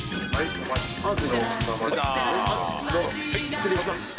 失礼します。